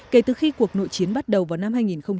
kể từ khi cuộc nội chiến bắt đầu vào năm hai nghìn một mươi